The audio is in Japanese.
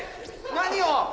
何を？